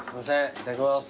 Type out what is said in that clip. いただきます。